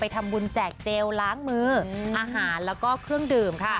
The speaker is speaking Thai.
ทำบุญแจกเจลล้างมืออาหารแล้วก็เครื่องดื่มค่ะ